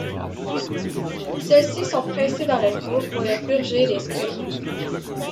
Celles-ci sont pressées dans le four pour les purger des scories.